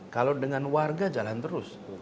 kalau dengan warga jalan terus